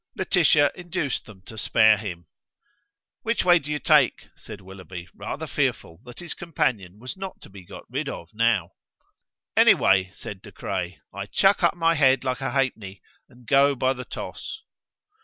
Laetitia induced them to spare him. "Which way do you take?" said Willoughby, rather fearful that his companion was not to be got rid of now. "Any way," said De Craye. "I chuck up my head like a halfpenny, and go by the toss."